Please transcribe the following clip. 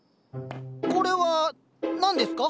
これは何ですか？